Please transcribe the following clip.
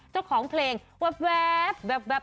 เจ้าของเพลงแว๊บ